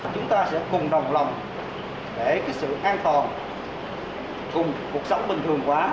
chúng ta sẽ cùng đồng lòng để sự an toàn cùng cuộc sống bình thường quá